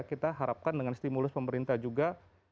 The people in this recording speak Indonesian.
kita harapkan dengan stimulus pemerintah juga